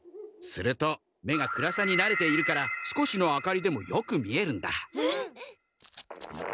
すると目が暗さになれているから少しの明かりでもよく見えるんだ。